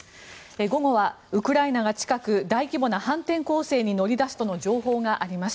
午後はウクライナが近く大規模な反転攻勢に乗り出すとの情報があります。